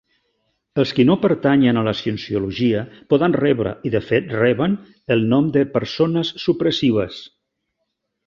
Els qui no pertanyen a la cienciologia poden rebre i, de fet, reben el nom de "persones supressives".